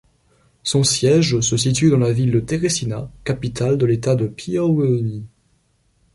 Son siège se situe dans la ville de Teresina, capitale de l'État du Piauí.